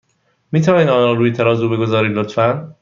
می توانید آن را روی ترازو بگذارید، لطفا؟